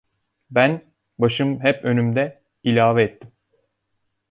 Ben, başım hep önümde, ilave ettim.